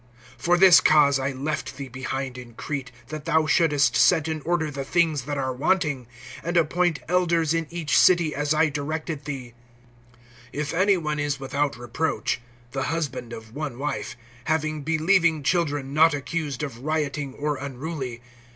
(5)For this cause I left thee behind in Crete, that thou shouldest set in order the things that are wanting, and appoint elders in each city, as I directed thee; (6)if any one is without reproach, the husband of one wife, having believing children not accused of rioting or unruly.